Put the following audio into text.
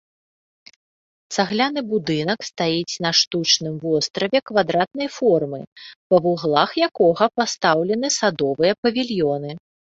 Цагляны будынак стаіць на штучным востраве квадратнай формы, па вуглах якога пастаўлены садовыя павільёны.